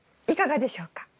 いかがでしょうか？